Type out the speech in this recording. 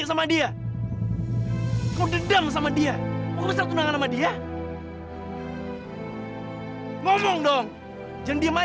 sampai jumpa di video selanjutnya